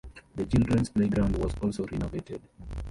The children's playground was also renovated.